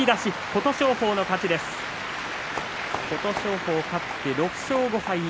琴勝峰、勝って６勝５敗。